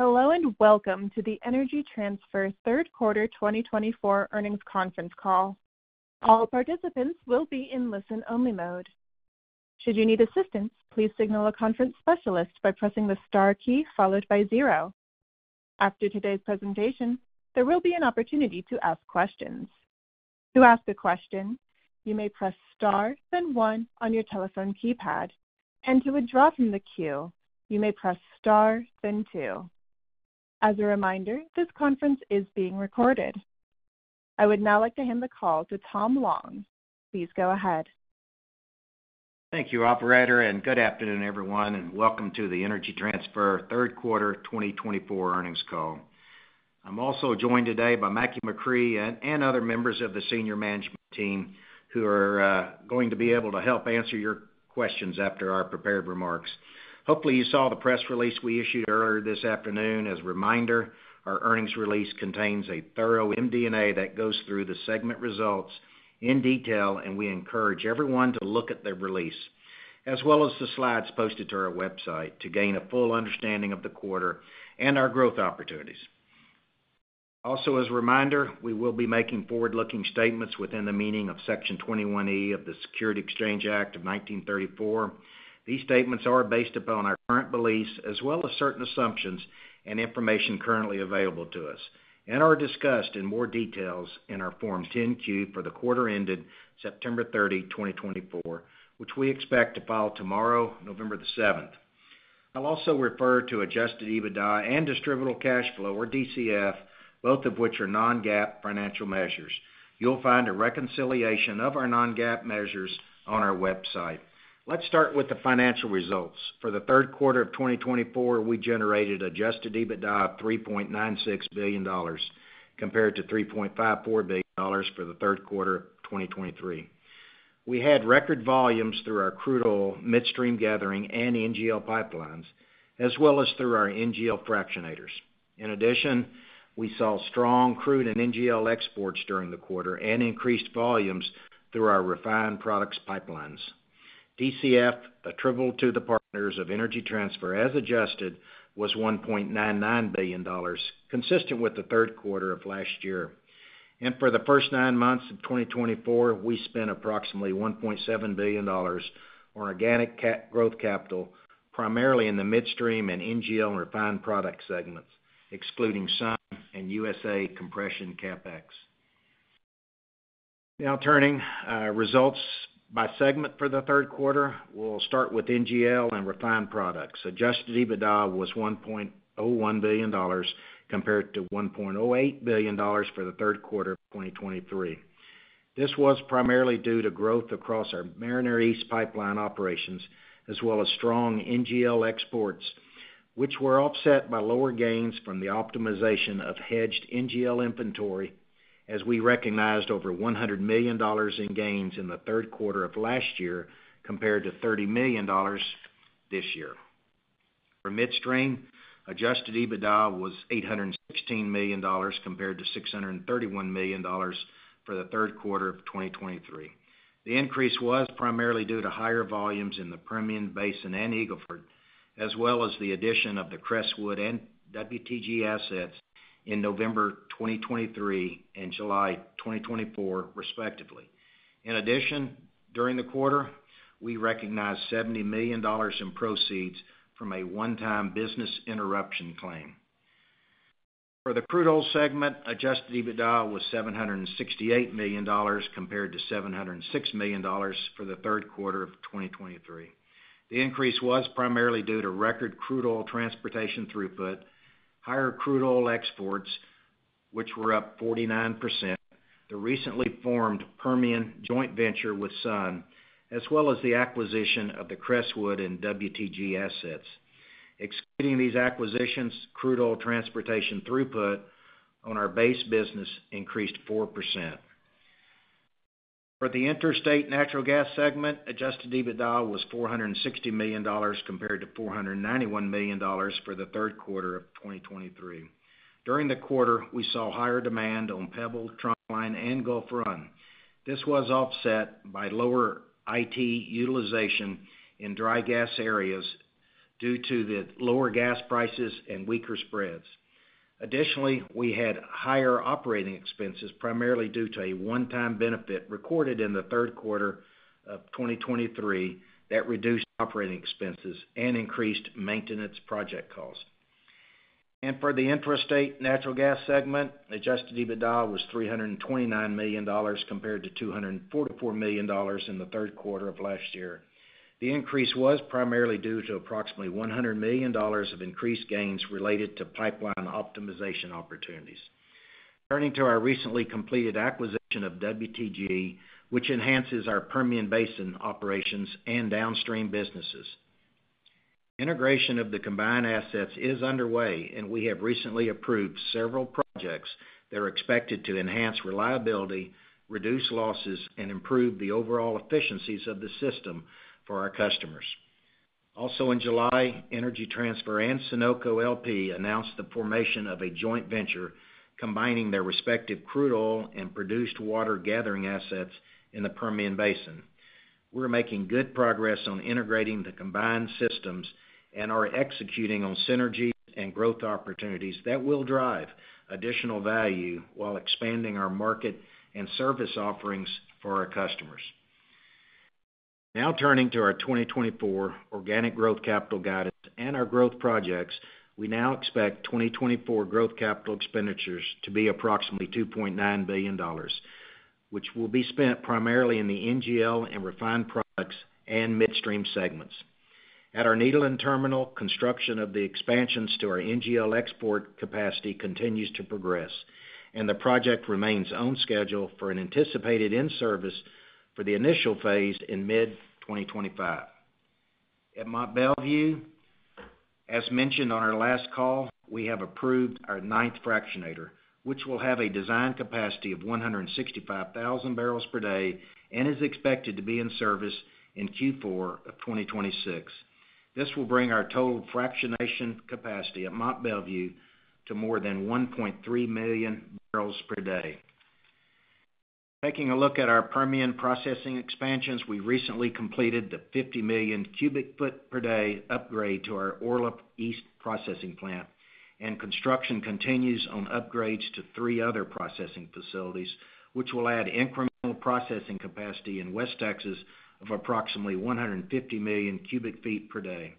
Hello and welcome to the Energy Transfer Q3 2024 Earnings Conference Call. All participants will be in listen-only mode. Should you need assistance, please signal a conference specialist by pressing the star key followed by zero. After today's presentation, there will be an opportunity to ask questions. To ask a question, you may press star, then one on your telephone keypad, and to withdraw from the queue, you may press star, then two. As a reminder, this conference is being recorded. I would now like to hand the call to Tom Long. Please go ahead. Thank you, Operator, and good afternoon, everyone, and welcome to the Energy Transfer Q3 2024 Earnings Call. I'm also joined today by Mackie McCrea and other members of the senior management team who are going to be able to help answer your questions after our prepared remarks. Hopefully, you saw the press release we issued earlier this afternoon. As a reminder, our earnings release contains a thorough MD&A that goes through the segment results in detail, and we encourage everyone to look at the release as well as the slides posted to our website to gain a full understanding of the quarter and our growth opportunities. Also, as a reminder, we will be making forward-looking statements within the meaning of Section 21E of the Securities Exchange Act of 1934. These statements are based upon our current beliefs as well as certain assumptions and information currently available to us and are discussed in more detail in our Form 10-Q for the quarter ended September 30, 2024, which we expect to file tomorrow, November the 7th. I'll also refer to Adjusted EBITDA and Distributable Cash Flow, or DCF, both of which are non-GAAP financial measures. You'll find a reconciliation of our non-GAAP measures on our website. Let's start with the financial results. For the Q3 of 2024, we generated Adjusted EBITDA of $3.96 billion compared to $3.54 billion for the Q3 of 2023. We had record volumes through our crude oil, midstream gathering, and NGL pipelines, as well as through our NGL fractionators. In addition, we saw strong crude and NGL exports during the quarter and increased volumes through our refined products pipelines. DCF attributable to the partners of Energy Transfer as adjusted was $1.99 billion, consistent with the Q3 of last year. For the first nine months of 2024, we spent approximately $1.7 billion on organic growth capital, primarily in the midstream and NGL and refined product segments, excluding Sun and USA Compression CapEx. Now turning results by segment for the Q3, we'll start with NGL and refined products. Adjusted EBITDA was $1.01 billion compared to $1.08 billion for the Q3 of 2023. This was primarily due to growth across our Mariner East pipeline operations, as well as strong NGL exports, which were offset by lower gains from the optimization of hedged NGL inventory, as we recognized over $100 million in gains in the Q3 of last year compared to $30 million this year. For midstream, Adjusted EBITDA was $816 million compared to $631 million for the Q3 of 2023. The increase was primarily due to higher volumes in the Permian Basin and Eagle Ford, as well as the addition of the Crestwood and WTG assets in November 2023 and July 2024, respectively. In addition, during the quarter, we recognized $70 million in proceeds from a one-time business interruption claim. For the crude oil segment, Adjusted EBITDA was $768 million compared to $706 million for the Q3 of 2023. The increase was primarily due to record crude oil transportation throughput, higher crude oil exports, which were up 49%, the recently formed Permian joint venture with Sunoco, as well as the acquisition of the Crestwood and WTG assets. Excluding these acquisitions, crude oil transportation throughput on our base business increased 4%. For the interstate natural gas segment, adjusted EBITDA was $460 million compared to $491 million for the Q3 of 2023. During the quarter, we saw higher demand on Panhandle Eastern Pipe Line and Gulf Run. This was offset by lower utilization in dry gas areas due to the lower gas prices and weaker spreads. Additionally, we had higher operating expenses, primarily due to a one-time benefit recorded in the Q3 of 2023 that reduced operating expenses and increased maintenance project costs. And for the interstate natural gas segment, adjusted EBITDA was $329 million compared to $244 million in the Q3 of last year. The increase was primarily due to approximately $100 million of increased gains related to pipeline optimization opportunities. Turning to our recently completed acquisition of WTG, which enhances our Permian Basin operations and downstream businesses. Integration of the combined assets is underway, and we have recently approved several projects that are expected to enhance reliability, reduce losses, and improve the overall efficiencies of the system for our customers. Also, in July, Energy Transfer and Sunoco LP announced the formation of a joint venture combining their respective crude oil and produced water gathering assets in the Permian Basin. We're making good progress on integrating the combined systems and are executing on synergies and growth opportunities that will drive additional value while expanding our market and service offerings for our customers. Now turning to our 2024 organic growth capital guidance and our growth projects, we now expect 2024 growth capital expenditures to be approximately $2.9 billion, which will be spent primarily in the NGL and refined products and midstream segments. At our Nederland Terminal, construction of the expansions to our NGL export capacity continues to progress, and the project remains on schedule for an anticipated in-service for the initial phase in mid-2025. At Mont Belvieu, as mentioned on our last call, we have approved our ninth fractionator, which will have a design capacity of 165,000 barrels per day and is expected to be in service in Q4 of 2026. This will bring our total fractionation capacity at Mont Belvieu to more than 1.3 million barrels per day. Taking a look at our Permian processing expansions, we recently completed the 50 million cubic feet per day upgrade to our Orla East processing plant, and construction continues on upgrades to three other processing facilities, which will add incremental processing capacity in West Texas of approximately 150 million cubic feet per day.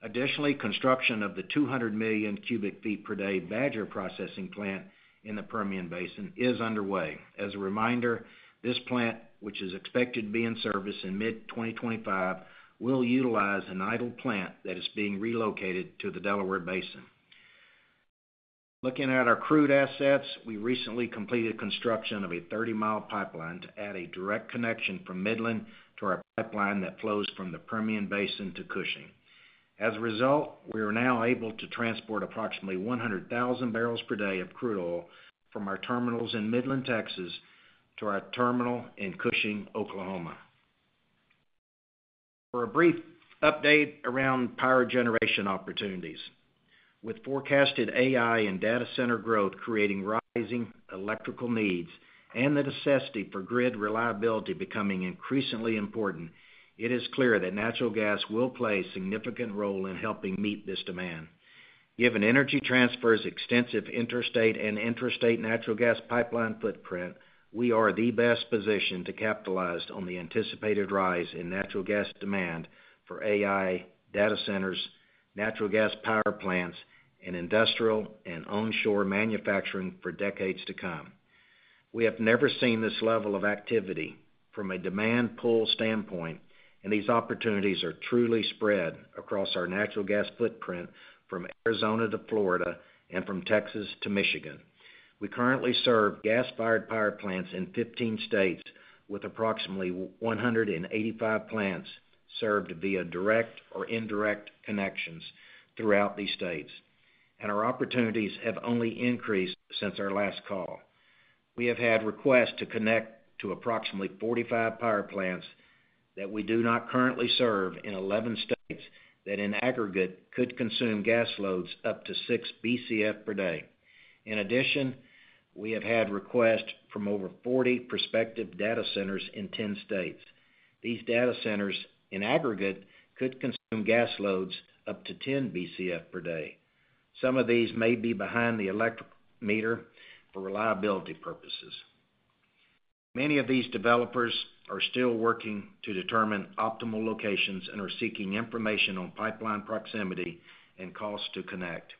Additionally, construction of the 200 million cubic feet per day Badger processing plant in the Permian Basin is underway. As a reminder, this plant, which is expected to be in service in mid-2025, will utilize an idle plant that is being relocated to the Delaware Basin. Looking at our crude assets, we recently completed construction of a 30-mile pipeline to add a direct connection from Midland to our pipeline that flows from the Permian Basin to Cushing. As a result, we are now able to transport approximately 100,000 barrels per day of crude oil from our terminals in Midland, Texas, to our terminal in Cushing, Oklahoma. For a brief update around power generation opportunities, with forecasted AI and data center growth creating rising electrical needs and the necessity for grid reliability becoming increasingly important, it is clear that natural gas will play a significant role in helping meet this demand. Given Energy Transfer's extensive intrastate and interstate natural gas pipeline footprint, we are the best position to capitalize on the anticipated rise in natural gas demand for AI data centers, natural gas power plants, and industrial and onshore manufacturing for decades to come. We have never seen this level of activity from a demand pool standpoint, and these opportunities are truly spread across our natural gas footprint from Arizona to Florida and from Texas to Michigan. We currently serve gas-fired power plants in 15 states, with approximately 185 plants served via direct or indirect connections throughout these states, and our opportunities have only increased since our last call. We have had requests to connect to approximately 45 power plants that we do not currently serve in 11 states that in aggregate could consume gas loads up to 6 BCF per day. In addition, we have had requests from over 40 prospective data centers in 10 states. These data centers in aggregate could consume gas loads up to 10 BCF per day. Some of these may be behind the electric meter for reliability purposes. Many of these developers are still working to determine optimal locations and are seeking information on pipeline proximity and cost to connect.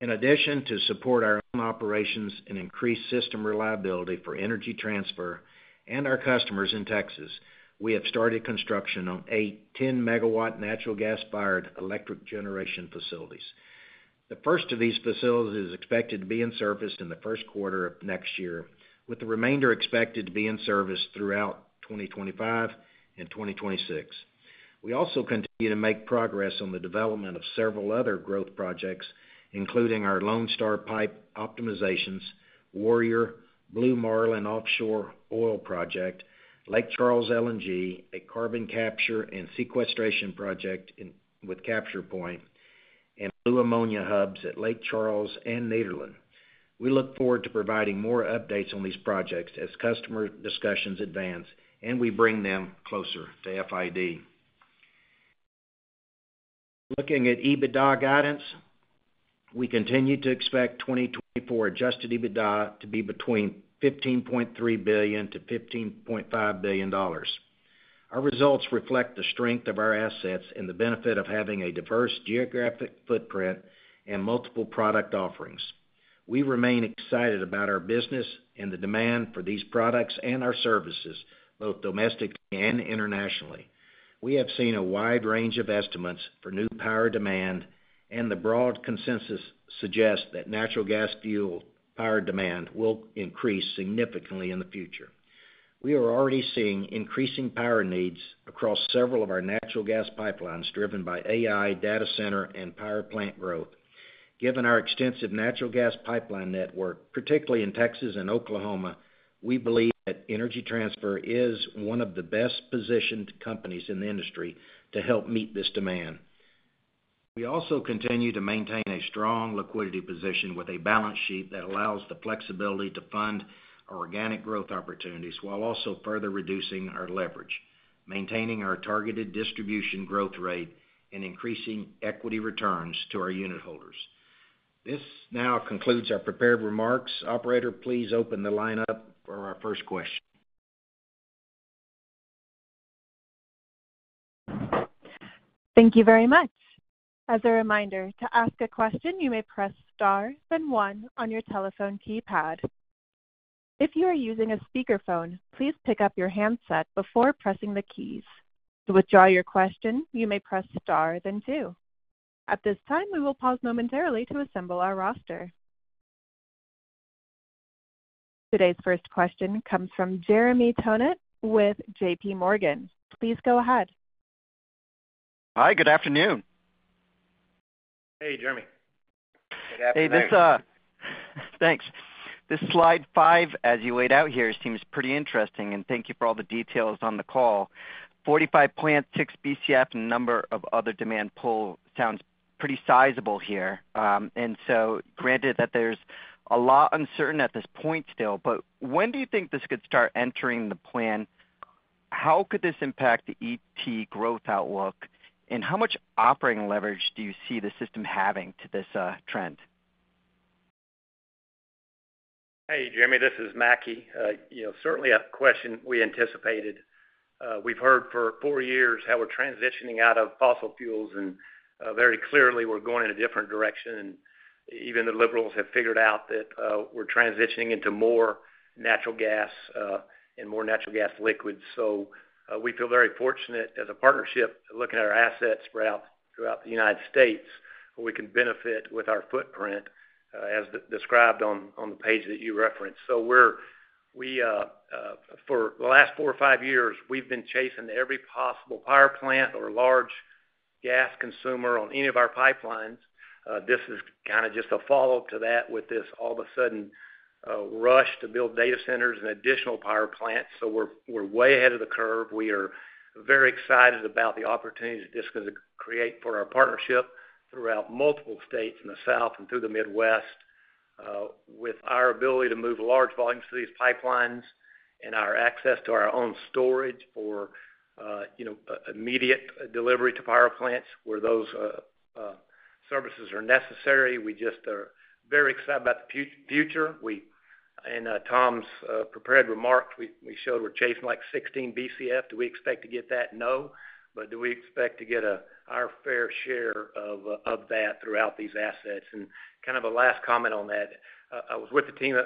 In addition, to support our own operations and increase system reliability for Energy Transfer and our customers in Texas, we have started construction on eight 10-megawatt natural gas-fired electric generation facilities. The first of these facilities is expected to be in service in the Q1 of next year, with the remainder expected to be in service throughout 2025 and 2026. We also continue to make progress on the development of several other growth projects, including our Lone Star Pipe Optimizations, Warrior, Blue Marlin Offshore Oil Project, Lake Charles LNG, a carbon capture and sequestration project with CapturePoint, and Blue Ammonia Hubs at Lake Charles and Nederland. We look forward to providing more updates on these projects as customer discussions advance and we bring them closer to FID. Looking at EBITDA guidance, we continue to expect 2024 adjusted EBITDA to be between $15.3 billion-$15.5 billion. Our results reflect the strength of our assets and the benefit of having a diverse geographic footprint and multiple product offerings. We remain excited about our business and the demand for these products and our services, both domestically and internationally. We have seen a wide range of estimates for new power demand, and the broad consensus suggests that natural gas fuel power demand will increase significantly in the future. We are already seeing increasing power needs across several of our natural gas pipelines driven by AI data center and power plant growth. Given our extensive natural gas pipeline network, particularly in Texas and Oklahoma, we believe that Energy Transfer is one of the best-positioned companies in the industry to help meet this demand. We also continue to maintain a strong liquidity position with a balance sheet that allows the flexibility to fund organic growth opportunities while also further reducing our leverage, maintaining our targeted distribution growth rate, and increasing equity returns to our unit holders. This now concludes our prepared remarks. Operator, please open the lineup for our first question. Thank you very much. As a reminder, to ask a question, you may press star then one on your telephone keypad. If you are using a speakerphone, please pick up your handset before pressing the keys. To withdraw your question, you may press star then two. At this time, we will pause momentarily to assemble our roster. Today's first question comes from Jeremy Tonet with JPMorgan. Please go ahead. Hi, good afternoon. Hey, Jeremy. Good afternoon. Hey, this is, thanks. This slide five, as you laid out here, seems pretty interesting, and thank you for all the details on the call. 45 plants, 6 BCF, and a number of other demand pull sounds pretty sizable here. And so granted that there's a lot uncertain at this point still, but when do you think this could start entering the plan? How could this impact the ET growth outlook, and how much offering leverage do you see the system having to this trend? Hey, Jeremy, this is Mackie. Certainly a question we anticipated. We've heard for four years how we're transitioning out of fossil fuels, and very clearly we're going in a different direction, and even the liberals have figured out that we're transitioning into more natural gas and more natural gas liquids, so we feel very fortunate as a partnership, looking at our assets throughout the United States, where we can benefit with our footprint, as described on the page that you referenced, so for the last four or five years, we've been chasing every possible power plant or large gas consumer on any of our pipelines. This is kind of just a follow-up to that with this all-of-a-sudden rush to build data centers and additional power plants. So we're way ahead of the curve. We are very excited about the opportunities this is going to create for our partnership throughout multiple states in the South and through the Midwest. With our ability to move large volumes to these pipelines and our access to our own storage for immediate delivery to power plants where those services are necessary, we just are very excited about the future. In Tom's prepared remarks, we showed we're chasing like 16 BCF. Do we expect to get that? No. But do we expect to get a higher fair share of that throughout these assets? And kind of a last comment on that, I was with the team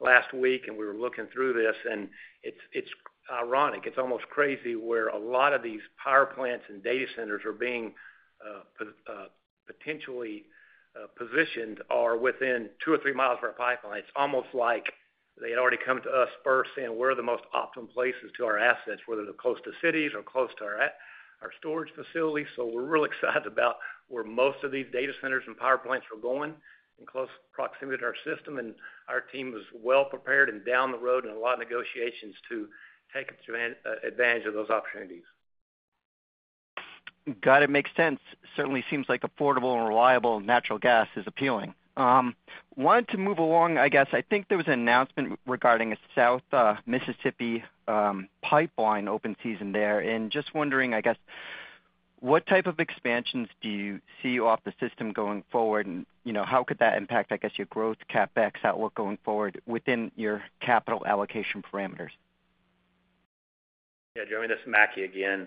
last week, and we were looking through this, and it's ironic. It's almost crazy where a lot of these power plants and data centers are being potentially positioned are within two or three miles of our pipeline. It's almost like they had already come to us first saying, "Where are the most optimal places to our assets, whether they're close to cities or close to our storage facilities?" So we're really excited about where most of these data centers and power plants are going in close proximity to our system. And our team was well prepared and down the road in a lot of negotiations to take advantage of those opportunities. Got it. Makes sense. Certainly seems like affordable and reliable natural gas is appealing. Wanted to move along, I guess. I think there was an announcement regarding a South Mississippi pipeline open season there. Just wondering, I guess, what type of expansions do you see off the system going forward, and how could that impact, I guess, your growth CapEx outlook going forward within your capital allocation parameters? Yeah, Jeremy, this is Mackie again.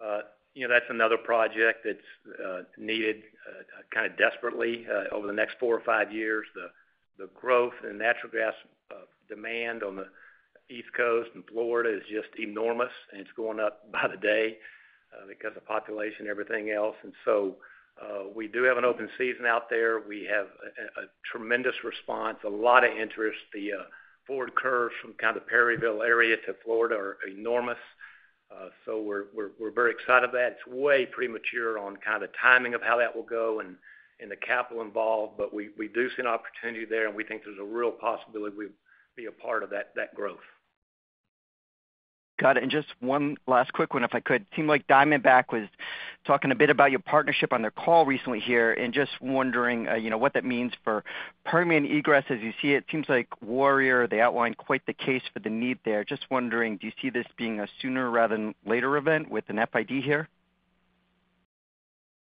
That's another project that's needed kind of desperately over the next four or five years. The growth in natural gas demand on the East Coast and Florida is just enormous, and it's going up by the day because of population and everything else. So we do have an open season out there. We have a tremendous response, a lot of interest. The forward curve from kind of the Perryville area to Florida is enormous. So we're very excited about it. It's way premature on kind of the timing of how that will go and the capital involved, but we do see an opportunity there, and we think there's a real possibility we'll be a part of that growth. Got it. And just one last quick one, if I could. It seemed like Diamondback was talking a bit about your partnership on their call recently here, and just wondering what that means for Permian egress as you see it. It seems like Warrior, they outlined quite the case for the need there. Just wondering, do you see this being a sooner rather than later event with an FID here?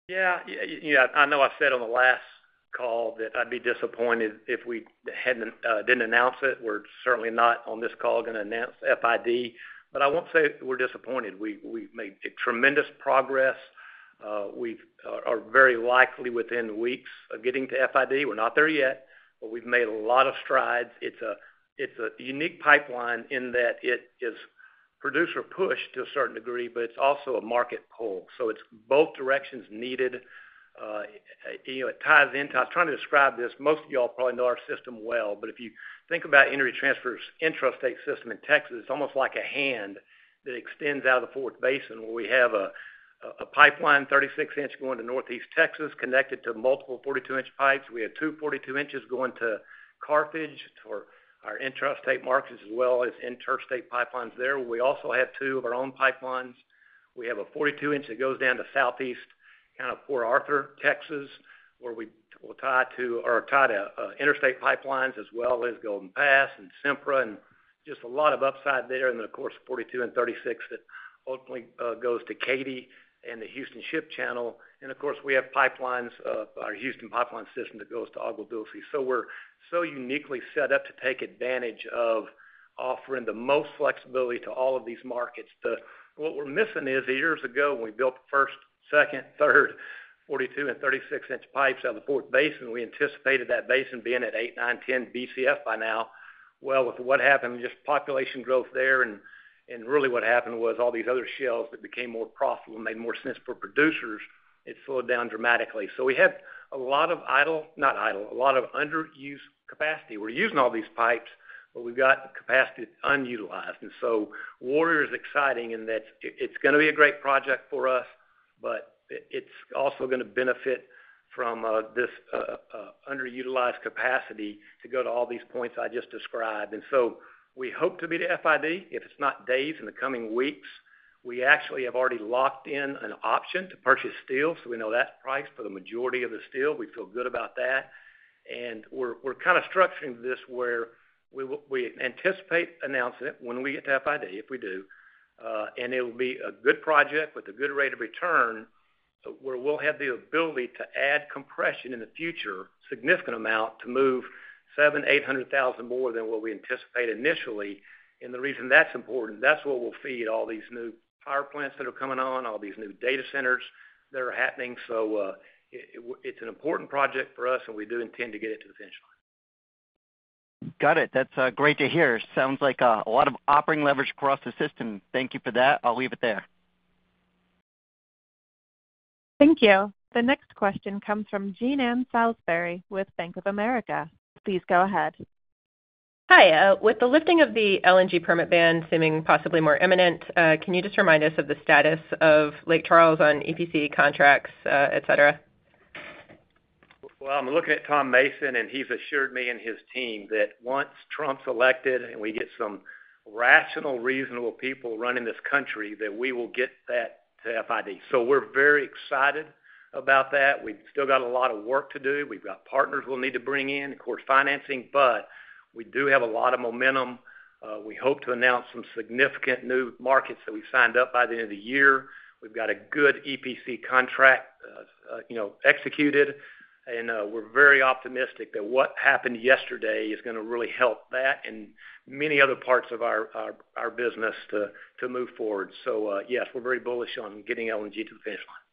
Yeah. Yeah. I know I said on the last call that I'd be disappointed if we didn't announce it. We're certainly not on this call going to announce FID, but I won't say we're disappointed. We've made tremendous progress. We are very likely within weeks of getting to FID. We're not there yet, but we've made a lot of strides. It's a unique pipeline in that it is producer-pushed to a certain degree, but it's also a market pull. So it's both directions needed. It ties into, I was trying to describe this. Most of y'all probably know our system well, but if you think about Energy Transfer's interstate system in Texas, it's almost like a hand that extends out of the Fort Worth Basin where we have a pipeline, 36-inch, going to Northeast Texas, connected to multiple 42-inch pipes. We have two 42-inches going to Carthage for our interstate markets, as well as interstate pipelines there. We also have two of our own pipelines. We have a 42-inch that goes down to Southeast, kind of Port Arthur, Texas, where we will tie to interstate pipelines, as well as Golden Pass and Sempra, and just a lot of upside there, and then, of course, 42 and 36 that ultimately goes to Katy and the Houston Ship Channel, and of course, we have pipelines, our Houston Pipeline System that goes to Agua Dulce, so we're so uniquely set up to take advantage of offering the most flexibility to all of these markets. What we're missing is years ago when we built the first, second, third, 42- and 36-inch pipes out of the Fort Worth Basin, we anticipated that basin being at eight, nine, 10 BCF by now. With what happened, just population growth there, and really what happened was all these other shales that became more profitable and made more sense for producers, it slowed down dramatically. So we have a lot of idle, not idle, a lot of underused capacity. We're using all these pipes, but we've got capacity un-utilized. And so Warrior is exciting in that it's going to be a great project for us, but it's also going to benefit from this underutilized capacity to go to all these points I just described. And so we hope to meet FID, if it's not days in the coming weeks. We actually have already locked in an option to purchase steel, so we know that's priced for the majority of the steel. We feel good about that. And we're kind of structuring this where we anticipate announcing it when we get to FID, if we do, and it will be a good project with a good rate of return where we'll have the ability to add compression in the future, significant amount to move 780,000 more than what we anticipated initially. And the reason that's important, that's what will feed all these new power plants that are coming on, all these new data centers that are happening. So it's an important project for us, and we do intend to get it to the finish line. Got it. That's great to hear. Sounds like a lot of offering leverage across the system. Thank you for that. I'll leave it there. Thank you. The next question comes from Jean Ann Salisbury with Bank of America. Please go ahead. Hi. With the lifting of the LNG permit ban, seeming possibly more imminent, can you just remind us of the status of Lake Charles on EPC contracts, etc.? Well, I'm looking at Tom Mason, and he's assured me and his team that once Trump's elected and we get some rational, reasonable people running this country, that we will get that to FID. So we're very excited about that. We've still got a lot of work to do. We've got partners we'll need to bring in, of course, financing, but we do have a lot of momentum. We hope to announce some significant new markets that we've signed up by the end of the year. We've got a good EPC contract executed, and we're very optimistic that what happened yesterday is going to really help that and many other parts of our business to move forward. So yes, we're very bullish on getting LNG to the finish line.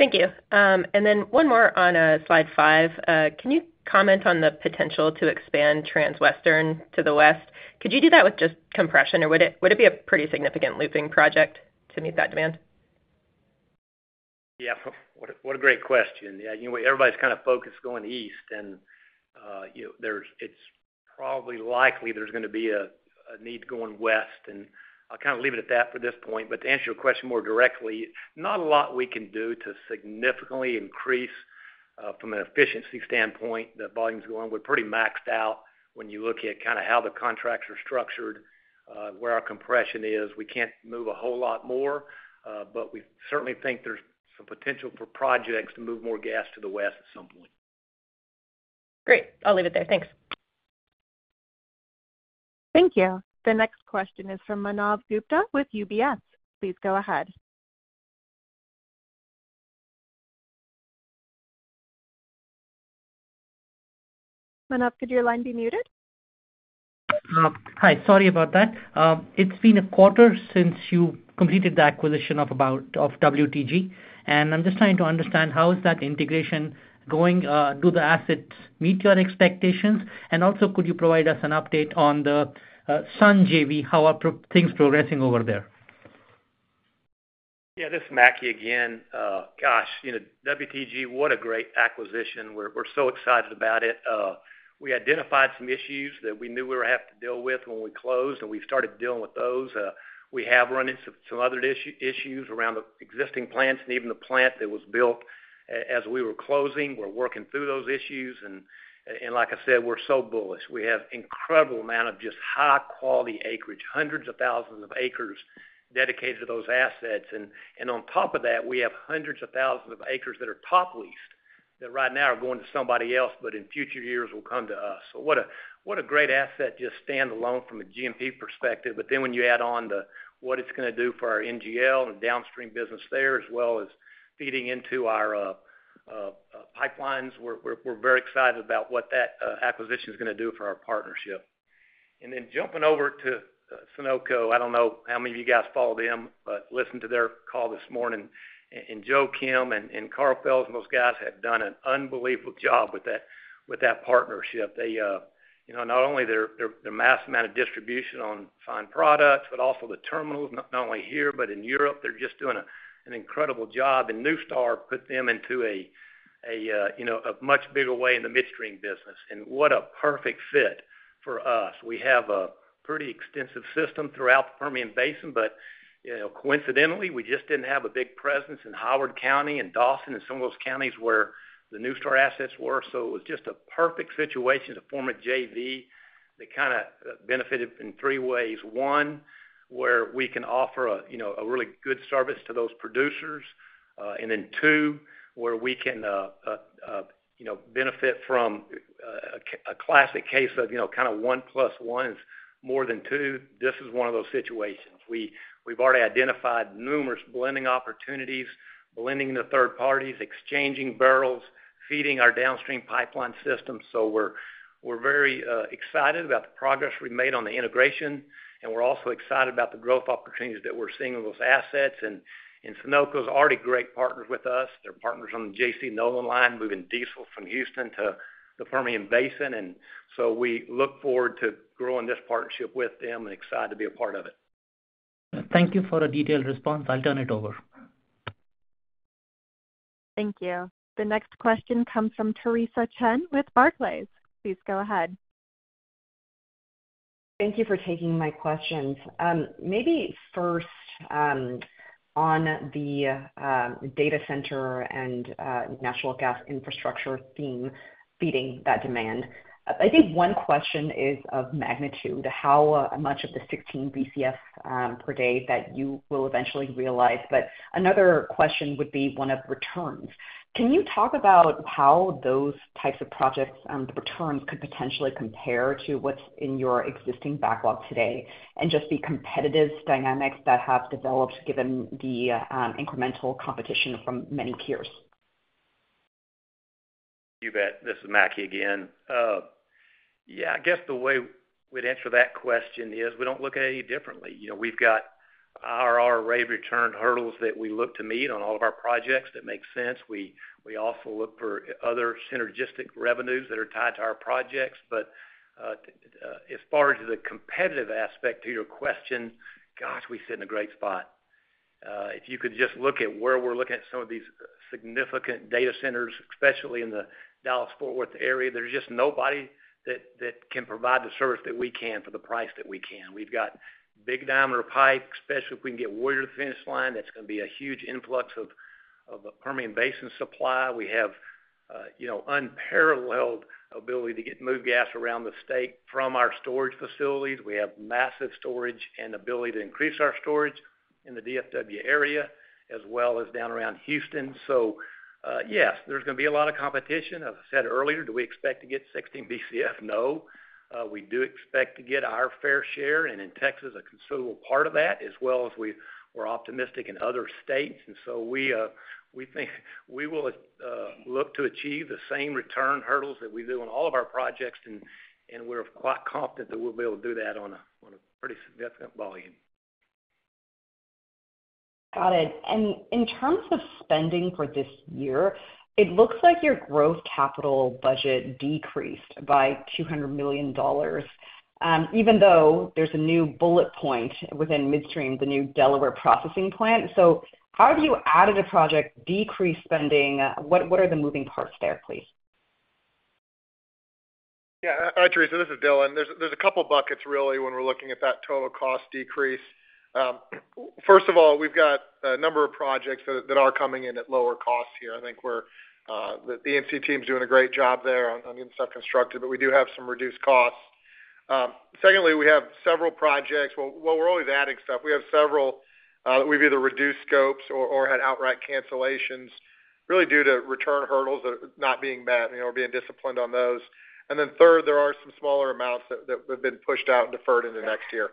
Thank you. And then one more on slide five. Can you comment on the potential to expand Transwestern to the West? Could you do that with just compression, or would it be a pretty significant looping project to meet that demand? Yeah. What a great question. Everybody's kind of focused going east, and it's probably likely there's going to be a need going west. And I'll kind of leave it at that for this point. But to answer your question more directly, not a lot we can do to significantly increase from an efficiency standpoint the volumes going. We're pretty maxed out when you look at kind of how the contracts are structured, where our compression is. We can't move a whole lot more, but we certainly think there's some potential for projects to move more gas to the West at some point. Great. I'll leave it there. Thanks. Thank you. The next question is from Manav Gupta with UBS. Please go ahead. Manav, could your line be muted? Hi. Sorry about that. It's been a quarter since you completed the acquisition of WTG, and I'm just trying to understand how is that integration going. Do the assets meet your expectations? And also, could you provide us an update on the Sunoco JV? How are things progressing over there? Yeah. This is Mackie again. Gosh, WTG, what a great acquisition. We're so excited about it. We identified some issues that we knew we were going to have to deal with when we closed, and we've started dealing with those. We have run into some other issues around the existing plants and even the plant that was built as we were closing. We're working through those issues. And like I said, we're so bullish. We have an incredible amount of just high-quality acreage, hundreds of thousands of acres dedicated to those assets. And on top of that, we have hundreds of thousands of acres that are top leased that right now are going to somebody else, but in future years, will come to us. So what a great asset just standalone from a G&P perspective. But then when you add on to what it's going to do for our NGL and downstream business there, as well as feeding into our pipelines, we're very excited about what that acquisition is going to do for our partnership. Then jumping over to Sunoco, I don't know how many of you guys followed them, but listened to their call this morning, and Joe Kim and Carbell, those guys have done an unbelievable job with that partnership. Not only their massive amount of distribution on refined products, but also the terminals, not only here, but in Europe, they're just doing an incredible job, and NuStar put them into a much bigger way in the midstream business, and what a perfect fit for us. We have a pretty extensive system throughout the Permian Basin, but coincidentally, we just didn't have a big presence in Howard County and Dawson County and some of those counties where the NuStar assets were, so it was just a perfect situation to form a JV that kind of benefited in three ways. One, where we can offer a really good service to those producers. And then two, where we can benefit from a classic case of kind of one plus one is more than two. This is one of those situations. We've already identified numerous blending opportunities, blending the third parties, exchanging barrels, feeding our downstream pipeline system. So we're very excited about the progress we've made on the integration, and we're also excited about the growth opportunities that we're seeing with those assets. And Sunoco is already a great partner with us. They're partners on the JC Nolan line, moving diesel from Houston to the Permian Basin. And so we look forward to growing this partnership with them and excited to be a part of it. Thank you for a detailed response. I'll turn it over. Thank you. The next question comes from Theresa Chen with Barclays. Please go ahead. Thank you for taking my questions. Maybe first on the data center and natural gas infrastructure theme, feeding that demand. I think one question is of magnitude, how much of the 16 BCF per day that you will eventually realize. But another question would be one of returns. Can you talk about how those types of projects, the returns, could potentially compare to what's in your existing backlog today and just the competitive dynamics that have developed given the incremental competition from many peers? Thank you, Beth. This is Mackie again. Yeah, I guess the way we'd answer that question is we don't look at any differently. We've got our ROA return hurdles that we look to meet on all of our projects that make sense. We also look for other synergistic revenues that are tied to our projects. But as far as the competitive aspect to your question, gosh, we sit in a great spot. If you could just look at where we're looking at some of these significant data centers, especially in the Dallas-Fort Worth area, there's just nobody that can provide the service that we can for the price that we can. We've got big diameter pipe, especially if we can get Warrior to the finish line. That's going to be a huge influx of Permian Basin supply. We have unparalleled ability to get moved gas around the state from our storage facilities. We have massive storage and ability to increase our storage in the DFW area, as well as down around Houston. So yes, there's going to be a lot of competition. As I said earlier, do we expect to get 16 BCF? No. We do expect to get our fair share and in Texas a considerable part of that, as well as we're optimistic in other states. And so we think we will look to achieve the same return hurdles that we do on all of our projects, and we're quite confident that we'll be able to do that on a pretty significant volume. Got it. And in terms of spending for this year, it looks like your growth capital budget decreased by $200 million, even though there's a new bullet point within midstream, the new Delaware processing plant. So how have you added a project decrease spending? What are the moving parts there, please? Yeah. All right, Theresa. This is Dylan. There's a couple of buckets, really, when we're looking at that total cost decrease. First of all, we've got a number of projects that are coming in at lower costs here. I think the EPC team is doing a great job there on getting stuff constructed, but we do have some reduced costs. Secondly, we have several projects. Well, we're always adding stuff. We have several that we've either reduced scopes or had outright cancellations, really due to return hurdles that are not being met or being disciplined on those. And then third, there are some smaller amounts that have been pushed out and deferred into next year.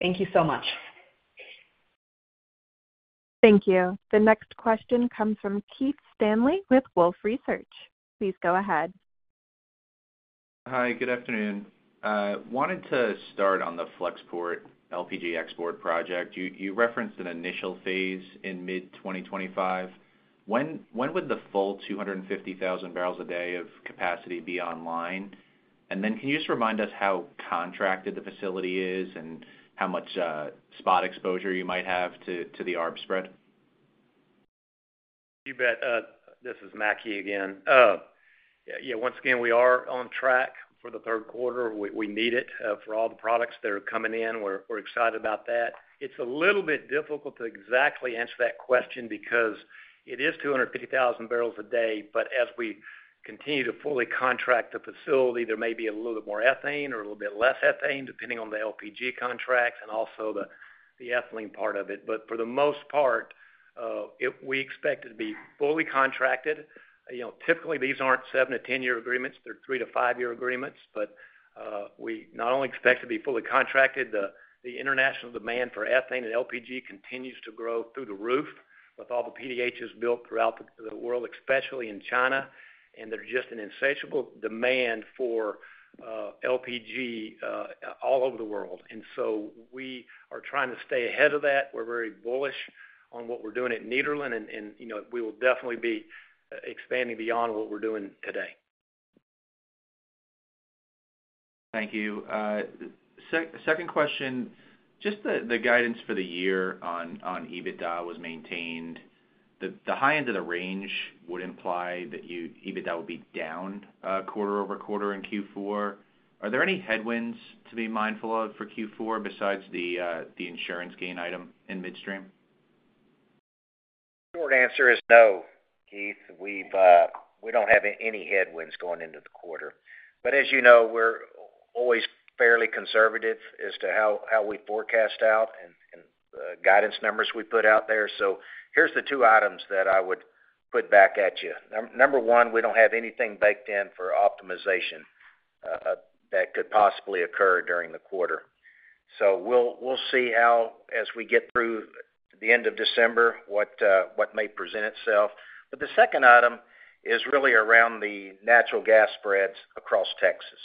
Thank you so much. Thank you. The next question comes from Keith Stanley with Wolfe Research. Please go ahead. Hi. Good afternoon. I wanted to start on the Freeport LPG export project. You referenced an initial phase in mid-2025. When would the full 250,000 barrels a day of capacity be online? And then can you just remind us how contracted the facility is and how much spot exposure you might have to the ARB spread? Thank you, Beth. This is Mackie again. Yeah. Once again, we are on track for the Q3. We need it for all the products that are coming in. We're excited about that. It's a little bit difficult to exactly answer that question because it is 250,000 barrels a day, but as we continue to fully contract the facility, there may be a little bit more ethane or a little bit less ethane, depending on the LPG contracts and also the ethylene part of it. But for the most part, we expect it to be fully contracted. Typically, these aren't 7-10-year agreements. They're 3-5-year agreements. But we not only expect to be fully contracted. The international demand for ethane and LPG continues to grow through the roof with all the PDHs built throughout the world, especially in China. And there's just an insatiable demand for LPG all over the world. And so we are trying to stay ahead of that. We're very bullish on what we're doing at Nederland, and we will definitely be expanding beyond what we're doing today. Thank you. Second question, just the guidance for the year on EBITDA was maintained. The high end of the range would imply that EBITDA would be down quarter over quarter in Q4. Are there any headwinds to be mindful of for Q4 besides the insurance gain item in midstream? Short answer is no, Keith. We don't have any headwinds going into the quarter. But as you know, we're always fairly conservative as to how we forecast out and the guidance numbers we put out there. So here's the two items that I would put back at you. Number one, we don't have anything baked in for optimization that could possibly occur during the quarter. So we'll see how, as we get through the end of December, what may present itself. But the second item is really around the natural gas spreads across Texas.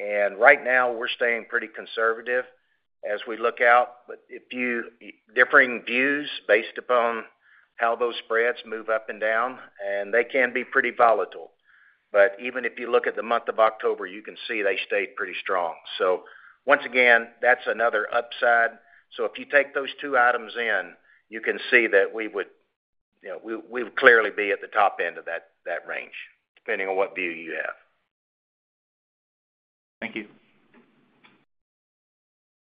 And right now, we're staying pretty conservative as we look out, but differing views based upon how those spreads move up and down, and they can be pretty volatile. But even if you look at the month of October, you can see they stayed pretty strong. So once again, that's another upside. So if you take those two items in, you can see that we would clearly be at the top end of that range, depending on what view you have. Thank you.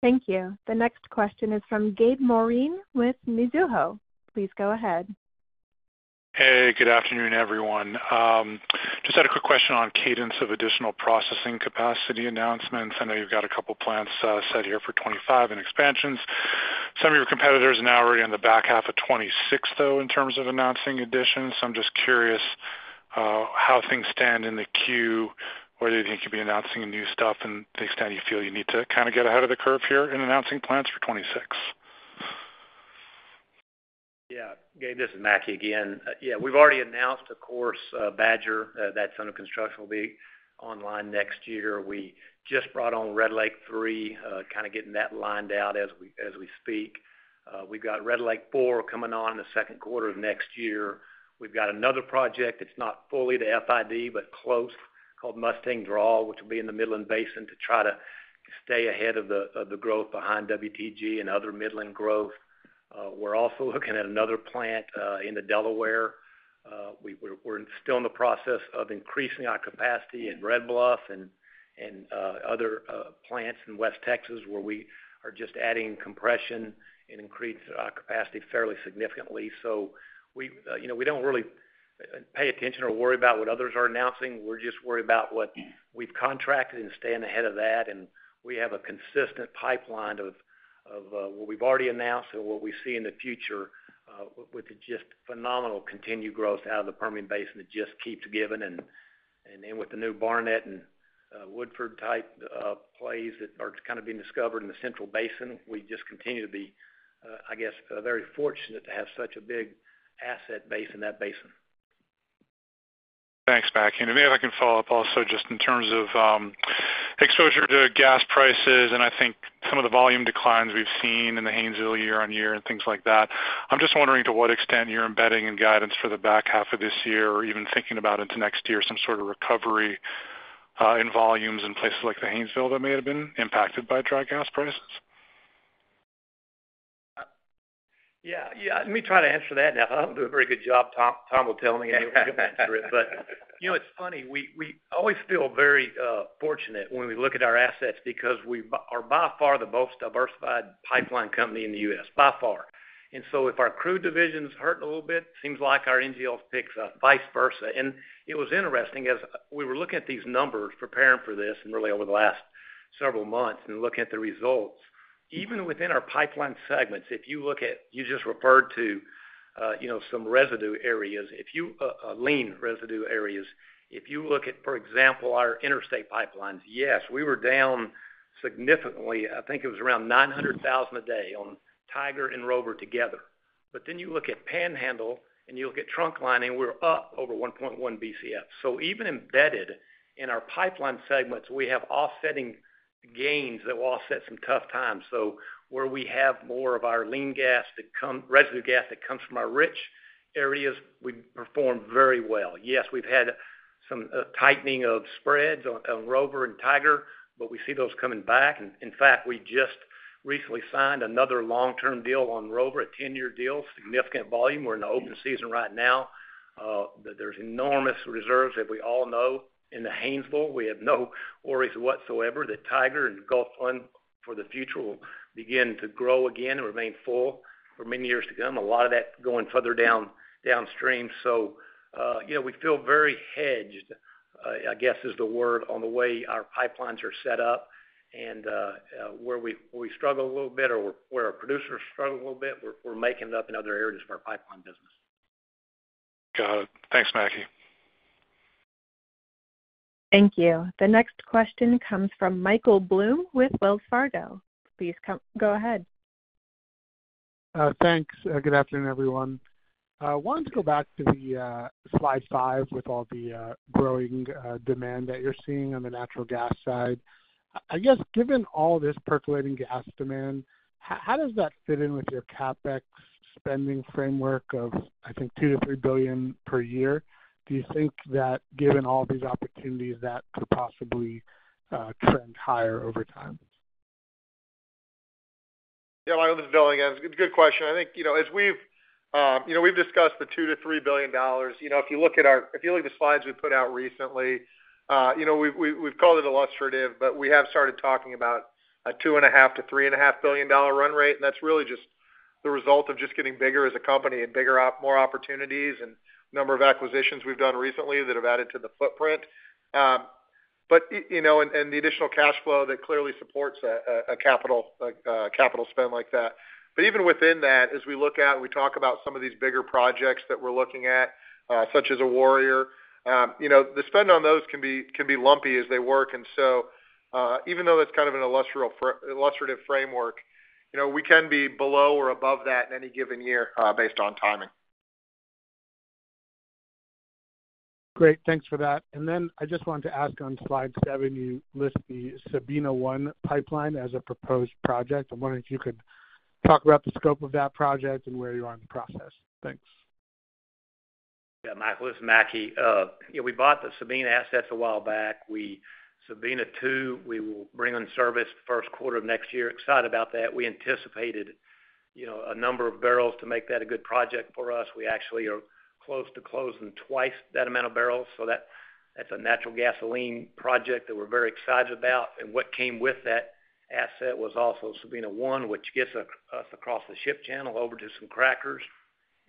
Thank you. The next question is from Gabe Moreen with Mizuho. Please go ahead. Hey. Good afternoon, everyone. Just had a quick question on cadence of additional processing capacity announcements. I know you've got a couple of plants set here for 2025 and expansions. Some of your competitors are now already in the back half of 2026, though, in terms of announcing additions. I'm just curious how things stand in the queue, whether you think you'll be announcing new stuff and the extent you feel you need to kind of get ahead of the curve here in announcing plants for 2026. Yeah. Gabe, this is Mackie again. Yeah. We've already announced, of course, Badger. That's under construction. We'll be online next year. We just brought on Red Lake 3, kind of getting that lined out as we speak. We've got Red Lake 4 coming on in the Q2 of next year. We've got another project that's not fully to FID, but close, called Mustang Draw, which will be in the Midland Basin to try to stay ahead of the growth behind WTG and other Midland growth. We're also looking at another plant in Delaware. We're still in the process of increasing our capacity in Red Bluff and other plants in West Texas, where we are just adding compression and increasing our capacity fairly significantly. So we don't really pay attention or worry about what others are announcing. We're just worried about what we've contracted and staying ahead of that. And we have a consistent pipeline of what we've already announced and what we see in the future with just phenomenal continued growth out of the Permian Basin that just keeps giving. And with the new Barnett and Woodford type plays that are kind of being discovered in the central basin, we just continue to be, I guess, very fortunate to have such a big asset base in that basin. Thanks, Mackie. And if I can follow up also just in terms of exposure to gas prices and I think some of the volume declines we've seen in the Haynesville year-on-year and things like that, I'm just wondering to what extent you're embedding in guidance for the back half of this year or even thinking about into next year some sort of recovery in volumes in places like the Haynesville that may have been impacted by dry gas prices. Yeah. Yeah. Let me try to answer that now. I don't do a very good job. Tom will tell me and he'll answer it. But it's funny. We always feel very fortunate when we look at our assets because we are by far the most diversified pipeline company in the U.S., by far. And so if our crude division's hurting a little bit, it seems like our NGLs pick up, vice versa. And it was interesting as we were looking at these numbers, preparing for this, and really over the last several months and looking at the results, even within our pipeline segments, if you look at you just referred to some residue areas, lean residue areas. If you look at, for example, our interstate pipelines, yes, we were down significantly. I think it was around 900,000 a day on Tiger and Rover together. But then you look at Panhandle and you look at Trunkline, we're up over 1.1 BCF. So even embedded in our pipeline segments, we have offsetting gains that will offset some tough times. So where we have more of our lean gas residue gas that comes from our rich areas, we perform very well. Yes, we've had some tightening of spreads on Rover and Tiger, but we see those coming back. And in fact, we just recently signed another long-term deal on Rover, a 10-year deal, significant volume. We're in the open season right now. There's enormous reserves, as we all know, in the Haynesville. We have no worries whatsoever that Tiger and Gulf Run for the future will begin to grow again and remain full for many years to come, a lot of that going further downstream. So we feel very hedged, I guess, is the word, on the way our pipelines are set up, and where we struggle a little bit or where our producers struggle a little bit, we're making it up in other areas of our pipeline business. Got it. Thanks, Mackie. Thank you. The next question comes from Michael Blum with Wells Fargo. Please go ahead. Thanks. Good afternoon, everyone. I wanted to go back to the slide five with all the growing demand that you're seeing on the natural gas side. I guess, given all this percolating gas demand, how does that fit in with your CapEx spending framework of, I think, $2-$3 billion per year? Do you think that, given all these opportunities, that could possibly trend higher over time? Yeah. This is Dylan again. It's a good question. I think as we've discussed the $2-$3 billion, if you look at the slides we put out recently, we've called it illustrative, but we have started talking about a $2.5-$3.5 billion run rate. And that's really just the result of just getting bigger as a company and bigger more opportunities and number of acquisitions we've done recently that have added to the footprint and the additional cash flow that clearly supports a capital spend like that. But even within that, as we look at and we talk about some of these bigger projects that we're looking at, such as a Warrior, the spend on those can be lumpy as they work. And so even though that's kind of an illustrative framework, we can be below or above that in any given year based on timing. Great. Thanks for that. And then I just wanted to ask on slide seven, you list the Sabine One pipeline as a proposed project. I'm wondering if you could talk about the scope of that project and where you are in the process. Thanks. Yeah. This is Mackie. We bought the Sabine assets a while back. Sabine Two, we will bring in service the Q1 of next year. Excited about that. We anticipated a number of barrels to make that a good project for us. We actually are close to closing twice that amount of barrels. So that's a natural gasoline project that we're very excited about. And what came with that asset was also Sabine One, which gets us across the ship channel over to some crackers.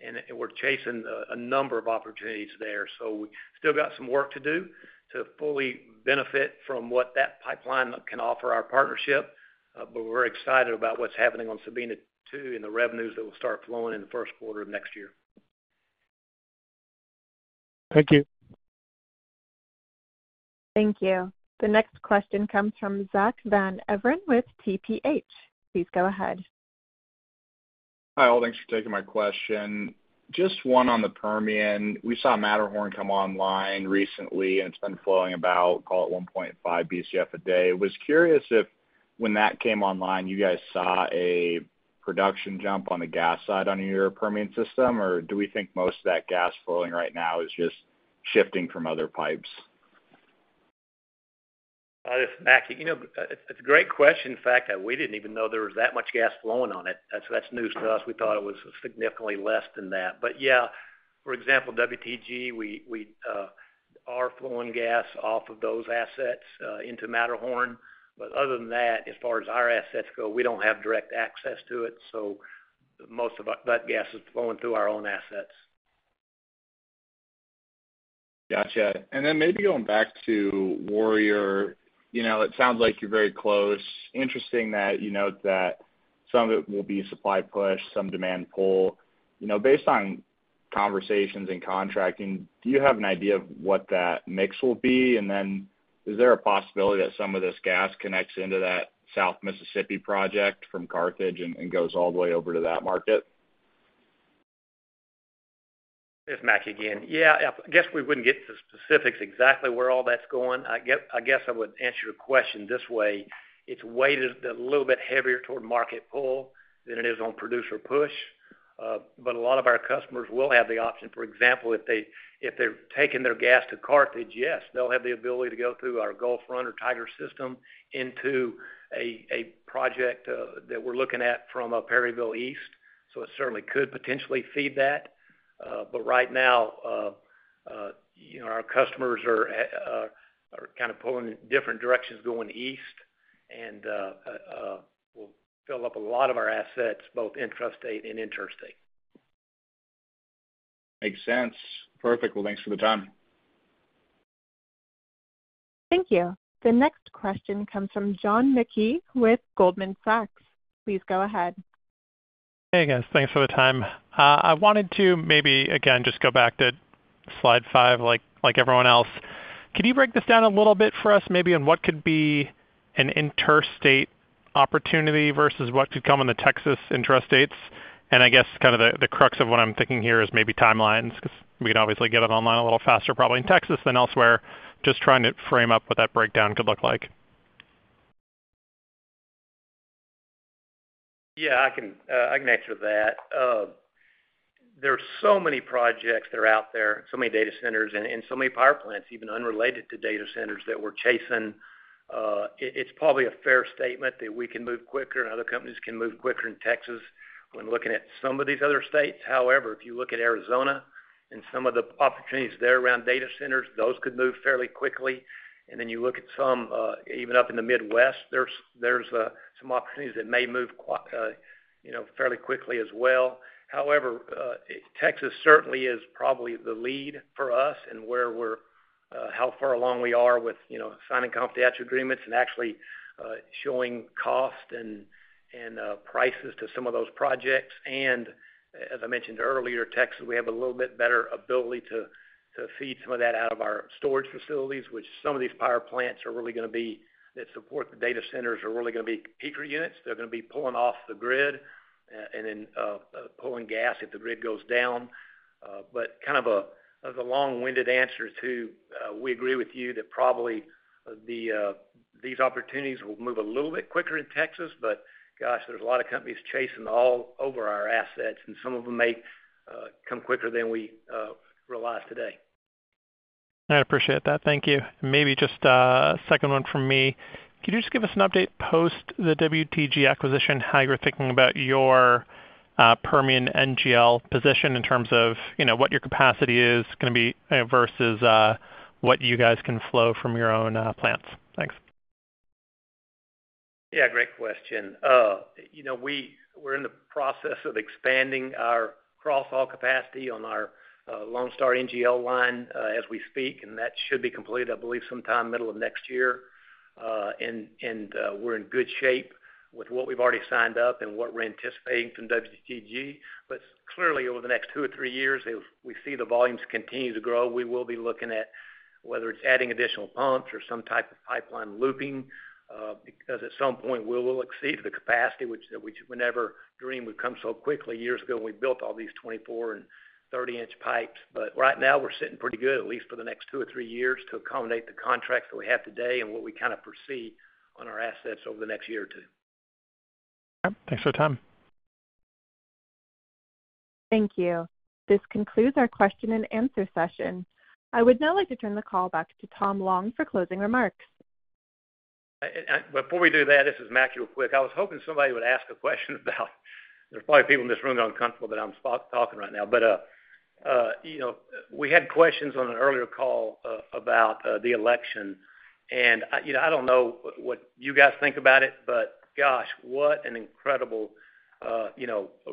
And we're chasing a number of opportunities there. So we still got some work to do to fully benefit from what that pipeline can offer our partnership. But we're excited about what's happening on Sabine Two and the revenues that will start flowing in the Q1 of next year. Thank you. Thank you. The next question comes from Zach Van Everen with TPH. Please go ahead. Hi. Thanks for taking my question. Just one on the Permian. We saw Matterhorn come online recently, and it's been flowing about, call it 1.5 BCF a day. I was curious if when that came online, you guys saw a production jump on the gas side on your Permian system, or do we think most of that gas flowing right now is just shifting from other pipes? This is Mackie. It's a great question. In fact, we didn't even know there was that much gas flowing on it. So that's news to us. We thought it was significantly less than that. But yeah, for example, WTG, we are flowing gas off of those assets into Matterhorn. But other than that, as far as our assets go, we don't have direct access to it. So most of that gas is flowing through our own assets. Gotcha. And then maybe going back to Warrior, it sounds like you're very close. Interesting that you note that some of it will be supply push, some demand pull. Based on conversations and contracting, do you have an idea of what that mix will be? And then is there a possibility that some of this gas connects into that South Mississippi project from Carthage and goes all the way over to that market? This is Mackie again. Yeah. I guess we wouldn't get to the specifics exactly where all that's going. I guess I would answer your question this way. It's weighted a little bit heavier toward market pull than it is on producer push. But a lot of our customers will have the option. For example, if they're taking their gas to Carthage, yes, they'll have the ability to go through our Gulf Run or Tiger system into a project that we're looking at from Perryville East. So it certainly could potentially feed that. But right now, our customers are kind of pulling in different directions going east and will fill up a lot of our assets, both intrastate and interstate. Makes sense. Perfect. Well, thanks for the time. Thank you. The next question comes from John McKee with Goldman Sachs. Please go ahead. Hey, guys. Thanks for the time. I wanted to maybe, again, just go back to slide five like everyone else. Could you break this down a little bit for us, maybe, on what could be an interstate opportunity versus what could come on the Texas intrastate? I guess kind of the crux of what I'm thinking here is maybe timelines because we can obviously get it online a little faster probably in Texas than elsewhere. Just trying to frame up what that breakdown could look like. Yeah. I can answer that. There's so many projects that are out there, so many data centers, and so many power plants, even unrelated to data centers, that we're chasing. It's probably a fair statement that we can move quicker and other companies can move quicker in Texas when looking at some of these other states. However, if you look at Arizona and some of the opportunities they're around data centers, those could move fairly quickly. And then you look at some, even up in the Midwest. There's some opportunities that may move fairly quickly as well. However, Texas certainly is probably the lead for us and where we're how far along we are with signing confidential agreements and actually showing cost and prices to some of those projects. And as I mentioned earlier, Texas, we have a little bit better ability to feed some of that out of our storage facilities, which some of these power plants are really going to be that support the data centers are really going to be heater units. They're going to be pulling off the grid and then pulling gas if the grid goes down. But kind of a long-winded answer to we agree with you that probably these opportunities will move a little bit quicker in Texas. But gosh, there's a lot of companies chasing all over our assets, and some of them may come quicker than we realize today. I appreciate that. Thank you. And maybe just a second one from me. Could you just give us an update post the WTG acquisition, how you're thinking about your Permian NGL position in terms of what your capacity is going to be versus what you guys can flow from your own plants? Thanks. Yeah. Great question. We're in the process of expanding our cross-haul capacity on our Lone Star NGL line as we speak. And that should be completed, I believe, sometime middle of next year. And we're in good shape with what we've already signed up and what we're anticipating from WTG. But clearly, over the next two or three years, if we see the volumes continue to grow, we will be looking at whether it's adding additional pumps or some type of pipeline looping because at some point, we will exceed the capacity, which we never dreamed would come so quickly years ago when we built all these 24 and 30-inch pipes. But right now, we're sitting pretty good, at least for the next two or three years, to accommodate the contracts that we have today and what we kind of foresee on our assets over the next year or two. Okay. Thanks for the time. Thank you. This concludes our question and answer session. I would now like to turn the call back to Tom Long for closing remarks. Before we do that, this is Mackie real quick. I was hoping somebody would ask a question about it. There's probably people in this room that are uncomfortable that I'm talking right now, but we had questions on an earlier call about the election, and I don't know what you guys think about it, but gosh, what an incredible,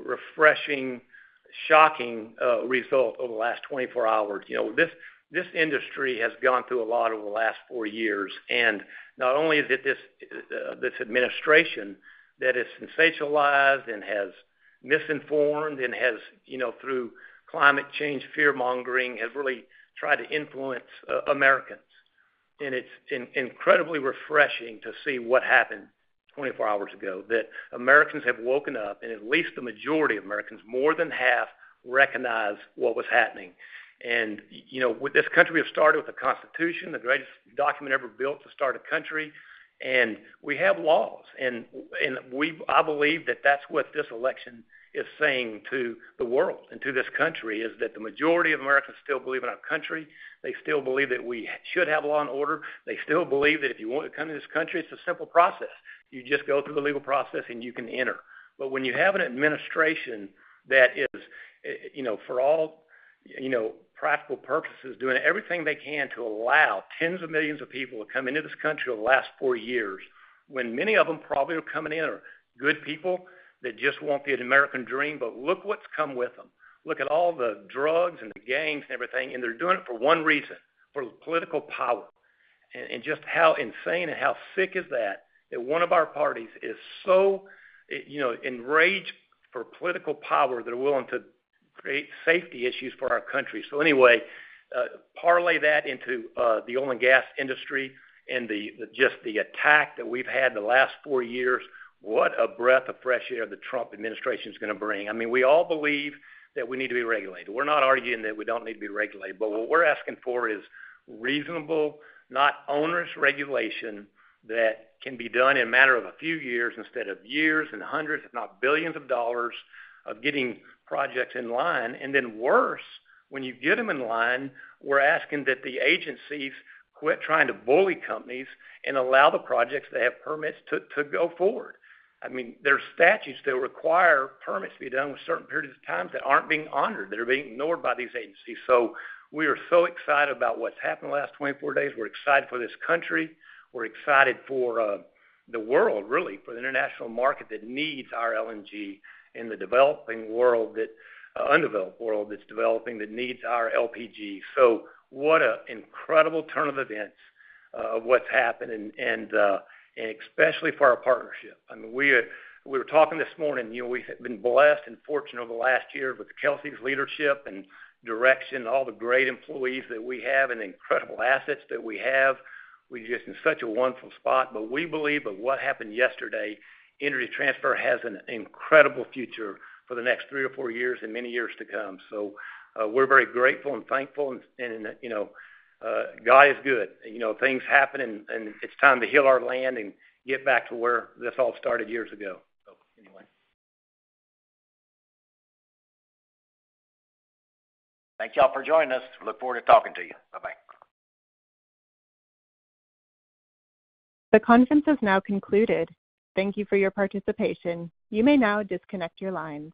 refreshing, shocking result over the last 24 hours. This industry has gone through a lot over the last four years, and not only is it this administration that has sensationalized and has misinformed and has, through climate change fear-mongering, has really tried to influence Americans, and it's incredibly refreshing to see what happened 24 hours ago, that Americans have woken up, and at least the majority of Americans, more than half, recognize what was happening. This country has started with a constitution, the greatest document ever built to start a country, and we have laws. I believe that that's what this election is saying to the world and to this country, is that the majority of Americans still believe in our country. They still believe that we should have law and order. They still believe that if you want to come to this country, it's a simple process. You just go through the legal process, and you can enter. But when you have an administration that is, for all practical purposes, doing everything they can to allow tens of millions of people to come into this country over the last four years, when many of them probably are coming in are good people that just want the American dream, but look what's come with them. Look at all the drugs and the gangs and everything. They're doing it for one reason, for political power. Just how insane and how sick is that, that one of our parties is so enraged for political power that they're willing to create safety issues for our country? So anyway, parlay that into the oil and gas industry and just the attack that we've had the last four years. What a breath of fresh air the Trump administration is going to bring! I mean, we all believe that we need to be regulated. We're not arguing that we don't need to be regulated. But what we're asking for is reasonable, not onerous regulation that can be done in a matter of a few years instead of years and hundreds, if not $billions, of dollars of getting projects in line. And then worse, when you get them in line, we're asking that the agencies quit trying to bully companies and allow the projects that have permits to go forward. I mean, there are statutes that require permits to be done with certain periods of time that aren't being honored. They're being ignored by these agencies. So we are so excited about what's happened the last 24 days. We're excited for this country. We're excited for the world, really, for the international market that needs our LNG in the developing world, that undeveloped world that's developing that needs our LPG. So what an incredible turn of events of what's happened, and especially for our partnership. I mean, we were talking this morning. We have been blessed and fortunate over the last year with Kelcy's leadership and direction, all the great employees that we have and the incredible assets that we have. We're just in such a wonderful spot. But we believe that what happened yesterday, Energy Transfer has an incredible future for the next three or four years and many years to come. So we're very grateful and thankful. And God is good. Things happen, and it's time to heal our land and get back to where this all started years ago. So anyway. Thank you all for joining us. Look forward to talking to you. Bye-bye. The conference has now concluded. Thank you for your participation. You may now disconnect your lines.